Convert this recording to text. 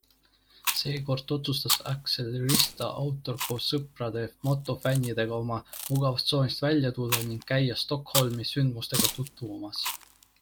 Seekord otsustas Accelerista autor koos sõprade-motofännidega oma mugavustsoonist välja tulla ning käia Stockholmi sündmusega tutvumas.